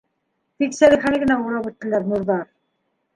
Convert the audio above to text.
Тик Сәлихәне генә урап үттеләр нурҙар.